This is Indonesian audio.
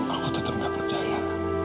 aku tetap gak percaya